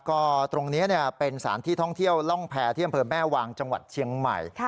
ก็ตรงนี้เป็นสถานที่ท่องเที่ยวร่องแพรที่อำเภอแม่วางจังหวัดเชียงใหม่